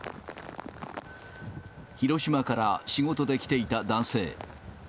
広島から仕事で来ていた男性。